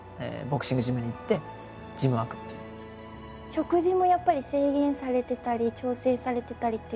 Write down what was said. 食事もやっぱり制限されてたり調整されてたりという感じですか？